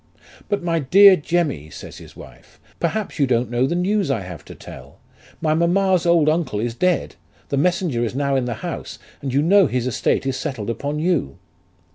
' But my dear Jemmy,' says his wife, ' perhaps you don't know the news I have to tell ; my mamma's old uncle is dead ; the messenger is now in the house, and you know his estate is settled upon you.'